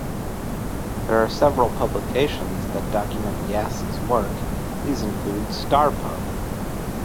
There are several publications that document Yass's work, these include: "Star", pub.